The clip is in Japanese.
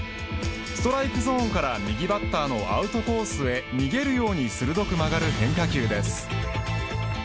ストライクゾーンから右バッターのアウトコースへ逃げるように鋭く曲がる変化球です。